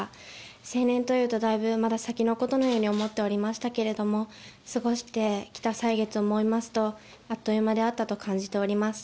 成年というと、だいぶまだ先のことのように思っておりましたけれども、過ごしてきた歳月を思いますと、あっという間であったと感じております。